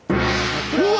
うわ！